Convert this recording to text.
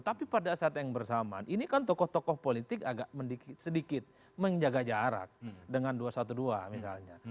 tapi pada saat yang bersamaan ini kan tokoh tokoh politik agak sedikit menjaga jarak dengan dua ratus dua belas misalnya